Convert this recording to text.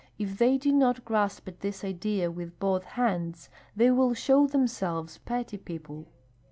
If they do not grasp at this idea with both hands, they will show themselves petty people.